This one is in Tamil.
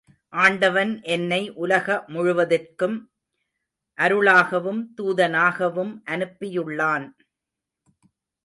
ஆண்டவன் என்னை உலக முழுவதற்கும் அருளாகவும், தூதனாகவும் அனுப்பியுள்ளான்.